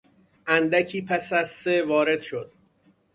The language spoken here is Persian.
اندکی پس از سه وارد شد.